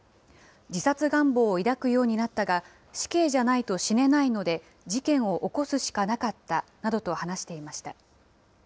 自殺願望を抱くようになったが、死刑じゃないと死ねないので事件を起こすしかなかったなどと話していました。